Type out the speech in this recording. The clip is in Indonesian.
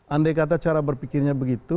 andai kata cara berpikirnya begitu